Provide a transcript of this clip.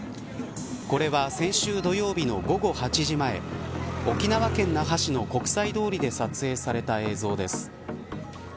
これは先週土曜日の午後８時前沖縄県那覇市の国際通りで撮影された映像です。